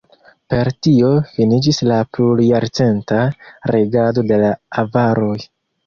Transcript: Per tio finiĝis la plurjarcenta regado de la avaroj.